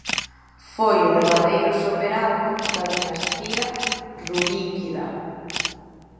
Foi o derradeiro soberano da dinastía ruríkida.